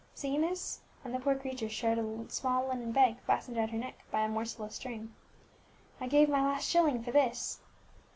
See, miss," and the poor creature showed a small linen bag fastened round her neck by a morsel of string, "I gave my last shilling for this."